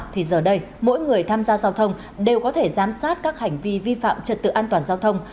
thì giờ đây mỗi người tham gia giao thông đều có thể giám sát các hành vi vi phạm trật tự an toàn giao thông